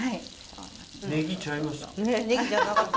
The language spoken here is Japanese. ねぎちゃいました。